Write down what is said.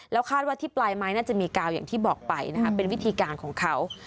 แล้วคาดว่าที่ปลายไม้น่าจะมีกาวอย่างที่บอกไปนะคะเป็นวิธีการของเขา